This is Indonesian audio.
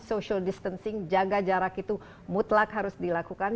social distancing jaga jarak itu mutlak harus dilakukan